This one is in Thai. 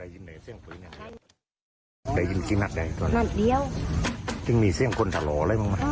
คือเป็นเสียงรถยนต์ค่ะอีกสักก็เปลี่ยนเป็นเสียงปืนแต่เราก็ไม่กล้าออกมาทุกวัน